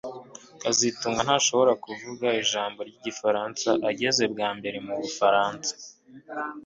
kazitunga ntashobora kuvuga ijambo ryigifaransa ageze bwa mbere mubufaransa